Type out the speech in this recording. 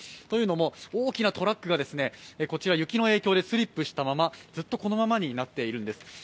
というのも大きなトラックが雪の影響でスリップしたまま、ずっとこのままになっているんです。